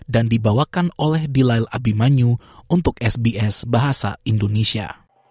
dan dibawakan oleh dilail abimanyu untuk sbs bahasa indonesia